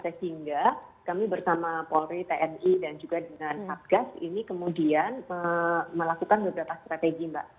sehingga kami bersama polri tni dan juga dengan satgas ini kemudian melakukan beberapa strategi mbak